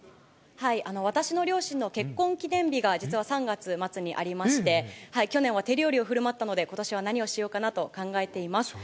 私の両親の結婚記念日が、実は３月末にありまして、去年は手料理をふるまったので、ことしは何をしようかなと考えています。